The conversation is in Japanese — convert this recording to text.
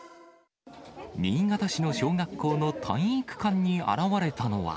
新潟市の小学校の体育館に現れたのは。